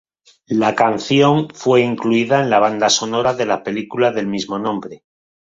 La canción fue incluida en la banda sonora de la película del mismo nombre.